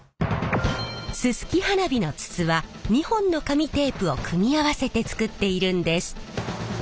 すすき花火の筒は２本の紙テープを組み合わせて作っているんです。